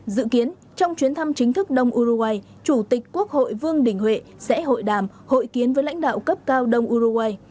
dự kiến trong chuyến thăm chính thức đông uruguay chủ tịch quốc hội vương đình huệ sẽ hội đàm hội kiến với lãnh đạo cấp cao đông uruguay